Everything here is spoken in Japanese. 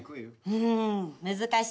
うん難しいな。